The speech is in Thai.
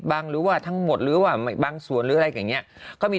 บ้างหรือว่าทั้งหมดหรือว่าไม่บ้างส่วนหรืออะไรเงี้ยก็มี